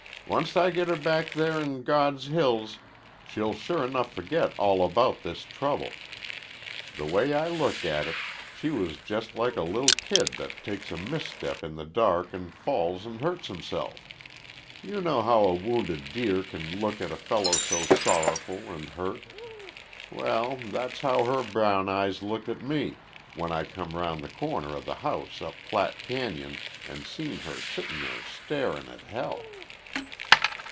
"Onct I get her back there in God's hills she'll sure enough forget all about this trouble. The way I look at it she was jus' like a li'l' kid that takes a mis step in the dark an' falls an' hurts itself. You know how a wounded deer can look at a fellow so sorrowful an' hurt. Well, that's how her brown eyes looked at me when I come round the corner o' the house up Platte Cañon an' seen her sittin' there starin' at hell."